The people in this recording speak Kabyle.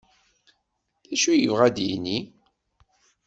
D acu i yebɣa ad d-yini?